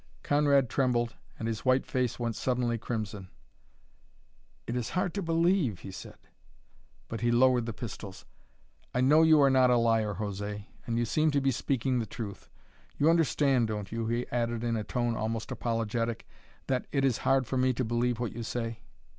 Conrad trembled and his white face went suddenly crimson. "It is hard to believe," he said; but he lowered the pistols. "I know you are not a liar, José, and you seem to be speaking the truth. You understand, don't you," he added in a tone almost apologetic, "that it is hard for me to believe what you say?"